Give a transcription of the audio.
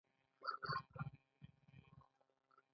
د اوږدې مودې لپاره انسان خواړه راټولول.